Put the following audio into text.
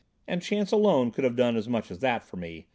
And chance alone could have done as much as that for me.